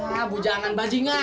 wah bujangan bajingan